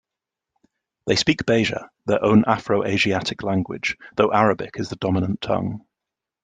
They speak Beja, their own Afro-Asiatic language, though Arabic is the dominant tongue.